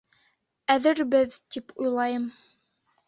Әҙербеҙ, тип уйлайым.